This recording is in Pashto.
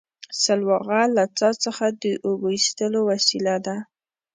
سلواغه له څا څخه د اوبو ایستلو وسیله ده